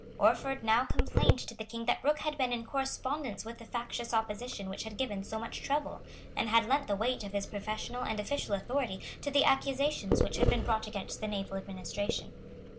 Orford now complained to the King that Rooke had been in correspondence with the factious opposition which had given so much trouble, and had lent the weight of his professional and official authority to the accusations which had been brought against the naval administration.